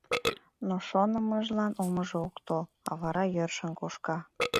Но шонымыжлан омыжо ок тол, а вара йӧршын кошка.